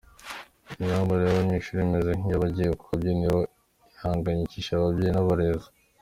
Imyambarire y’abanyeshuri imeze ‘nk’iy’abagiye mu kabyiniro’ ihangayikishije ababyeyi n’abarezi.